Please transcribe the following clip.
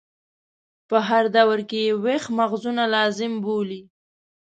په هر دور کې یې ویښ مغزونه لازم بولي.